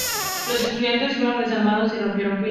Los estudiantes fueron desarmados y rompieron filas.